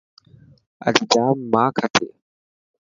اڄ ڄام ماک هتي.